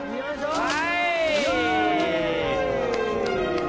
はい！